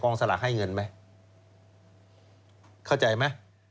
สลากให้เงินไหมเข้าใจไหม